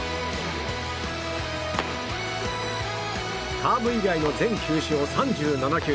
カーブ以外の全球種を３７球。